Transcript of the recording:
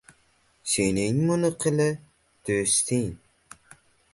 Endi nima qilamiz?